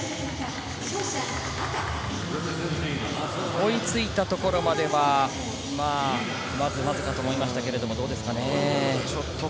追いついたところまでは、まずまずかと思いましたがどうですかね？